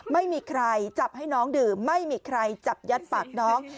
ไม่มีใครจับให้น้องดื่มไม่มีใครจับยัดปากน้อง